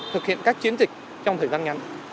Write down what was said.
thực hiện các chiến dịch trong thời gian ngắn